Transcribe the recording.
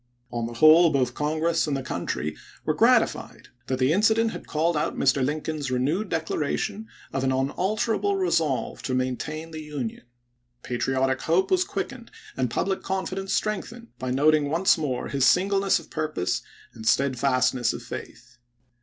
On the whole, both Congress and the country were grati fied that the incident had called out Mr. Lincoln's renewed declaration of an unalterable resolve to maintain the Union. Patriotic hope was quickened and public confidence strengthened by noting once more his singleness of purpose and steadfastness of faith.